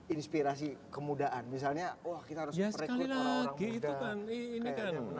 inspirasi kemudaan misalnya wah kita harus merekrut orang orang muda